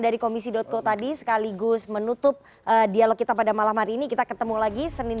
dari komisi co tadi sekaligus menutup dialog kita pada malam hari ini kita ketemu lagi senin